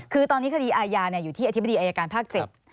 คือตอนนี้คดีอาญาอยู่ที่อธิบดีอายการภาค๗